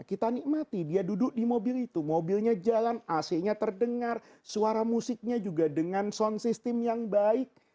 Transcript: kita nikmati dia duduk di mobil itu mobilnya jalan ac nya terdengar suara musiknya juga dengan sound system yang baik